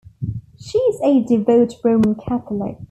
She is a devout Roman Catholic.